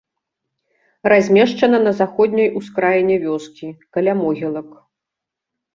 Размешчана на заходняй ускраіне вёскі, каля могілак.